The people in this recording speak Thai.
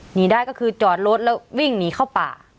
หนีได้ก็คือจอดรถแล้ววิ่งหนีเข้าป่า